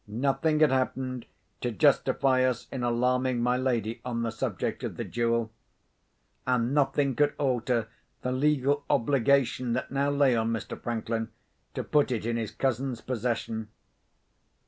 Nothing had happened to justify us in alarming my lady on the subject of the jewel; and nothing could alter the legal obligation that now lay on Mr. Franklin to put it in his cousin's possession.